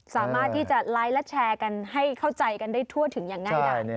สามารถที่จะไลค์และแชร์กันให้เข้าใจกันได้ทั่วถึงอย่างง่ายได้